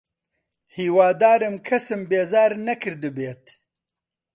هیوادارم کەسم بێزار نەکردبێت.